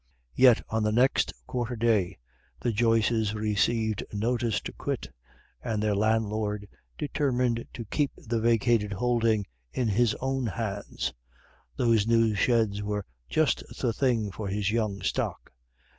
Yet on the next quarter day the Joyces received notice to quit, and their landlord determined to keep the vacated holding in his own hands; those new sheds were just the thing for his young stock.